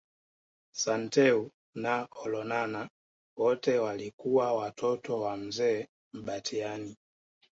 Santeu na Olonana wote walikuwa Watoto wa Mzee Mbatiany